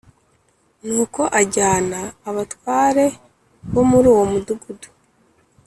Nuko ajyana abatware bo muri uwo mudugudu